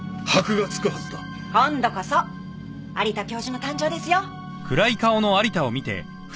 今度こそ有田教授の誕生ですよ。